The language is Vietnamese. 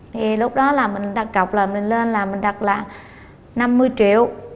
thì lúc đó là mình đặt cọc là mình lên là mình đặt là năm mươi triệu